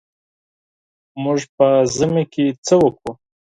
موږ په ژمي کې څه وکړو.